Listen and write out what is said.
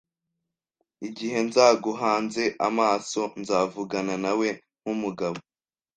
igihe nzaguhanze amaso, nzavugana nawe nk'umugabo. ”